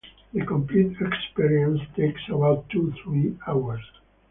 The complete experience takes about two to three hours.